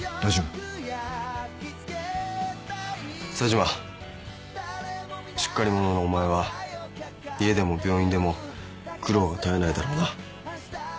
冴島しっかり者のお前は家でも病院でも苦労が絶えないだろうな。